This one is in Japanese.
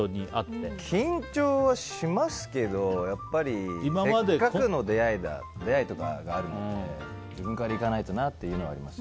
緊張はしますけどやっぱりせっかくの出会いというのがあるので自分から行かないとなというのはあります。